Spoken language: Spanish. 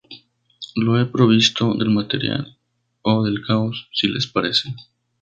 Le he provisto del material o del caos, si les parece.